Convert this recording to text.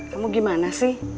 kamu gimana sih